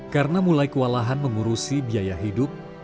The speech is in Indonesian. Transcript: karena mulai kewalahan mengurusi biaya hidup